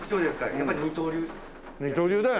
やっぱり二刀流です。